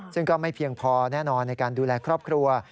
ซึ่งก็ไม่เพียงพอแน่นอนในการดูแลครอบครัว